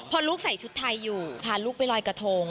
พอลูกใส่ชุดไทยอยู่พาลูกไปลอยกระทง